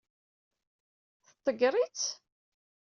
Tḍeggeṛ-itt?